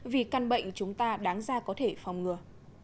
vì căn bệnh chúng ta đáng ra có thể phòng ngừa